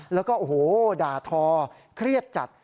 แล้วก็โอ้โหด่าทอเครียดจัด